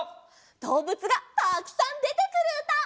どうぶつがたくさんでてくるうた！